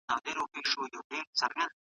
هغه په ډېرې چټکۍ سره له کوټې بهر ووت.